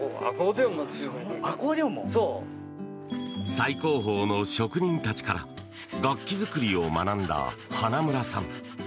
最高峰の職人たちから楽器作りを学んだ花村さん。